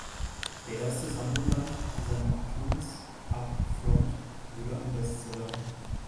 Der erste Sammelband seiner Cartoons "Up Front" wurde ein Bestseller.